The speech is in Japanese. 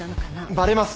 バレます。